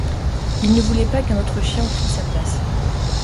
Il ne voulait pas qu’un autre chien prît sa place.